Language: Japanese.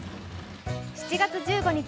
７月１５日